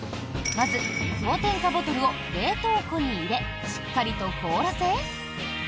まず氷点下ボトルを冷凍庫に入れしっかりと凍らせ